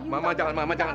mama jangan mama jangan